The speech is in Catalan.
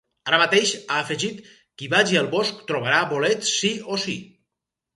Ara mateix, ha afegit, ‘qui vagi al bosc, trobarà bolets sí o sí’.